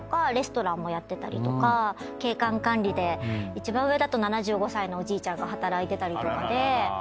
景観管理で一番上だと７５歳のおじいちゃんが働いてたりとかで。